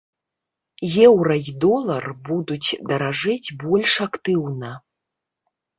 Еўра і долар будуць даражэць больш актыўна.